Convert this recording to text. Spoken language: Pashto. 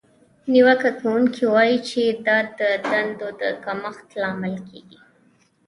نیوکه کوونکې وایي چې دا د دندو د کمښت لامل کیږي.